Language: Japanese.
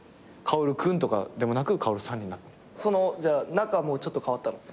じゃあ仲もちょっと変わったの？